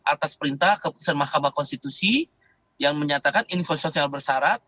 atas perintah keputusan mahkamah konstitusi yang menyatakan info sosial bersyarat